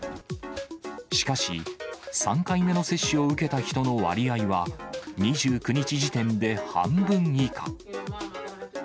しかし、３回目の接種を受けた人の割合は、２９日時点で半分以下。